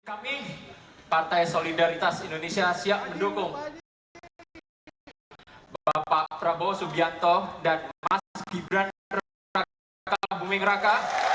kami partai solidaritas indonesia siap mendukung bapak prabowo subianto dan mas gibran raka buming raka